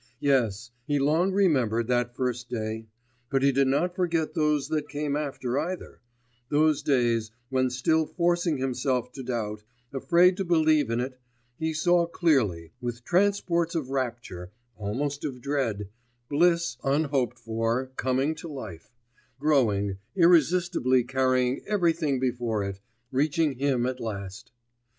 Yes; he long remembered that first day ... but he did not forget those that came after either those days, when still forcing himself to doubt, afraid to believe in it, he saw clearly, with transports of rapture, almost of dread, bliss un hoped for coming to life, growing, irresistibly carrying everything before it, reaching him at last.